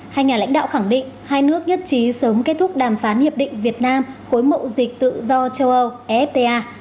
hai nhà lãnh đạo khẳng định hai nước nhất trí sớm kết thúc đàm phán hiệp định việt nam khối mậu dịch tự do châu âu efta